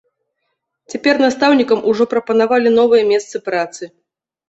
Цяпер настаўнікам ужо прапанавалі новыя месцы працы.